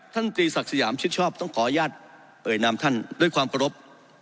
ตรีศักดิ์สยามชิดชอบต้องขออนุญาตเอ่ยนามท่านด้วยความเคารพ